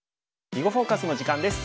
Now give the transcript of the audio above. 「囲碁フォーカス」の時間です。